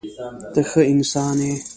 ته ښه انسان یې.